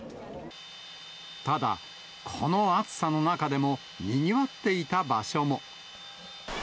ただ、この暑さの中でもにぎわっていた場所も。